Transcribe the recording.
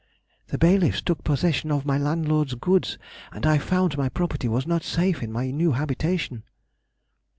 _—The bailiffs took possession of my landlord's goods, and I found my property was not safe in my new habitation.